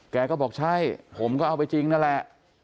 แกก็บอกใช่ผมก็เอาไปจริงนั่นแหละ